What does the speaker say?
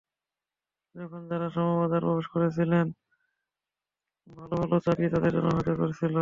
যখন তাঁরা শ্রমবাজারে প্রবেশ করেছিলেন, ভালো ভালো চাকরি তাঁদের জন্য অপেক্ষা করছিল।